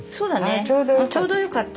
ちょうどよかった。